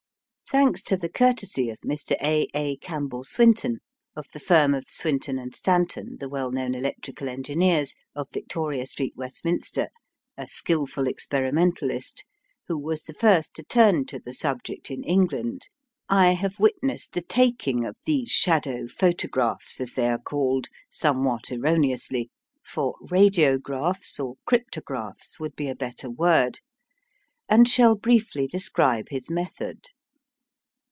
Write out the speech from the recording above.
Thanks to the courtesy of Mr. A. A. Campbell Swinton, of the firm of Swinton & Stanton, the well known electrical engineers, of Victoria Street, Westminster, a skilful experimentalist, who was the first to turn to the subject in England, I have witnessed the taking of these "shadow photographs," as they are called, somewhat erroneously, for "radiographs" or "cryptographs" would be a better word, and shall briefly describe his method.